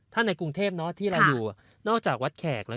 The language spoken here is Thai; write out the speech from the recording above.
ถ้าในกรุงเทพที่เราอยู่นอกจากวัดแขกแล้ว